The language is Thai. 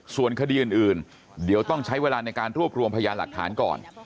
ส่วนคดีอื่นเดี๋ยวต้องใช้เวลาในการรวบรวมพยานหลักฐานก่อน